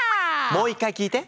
もう１回聞いて。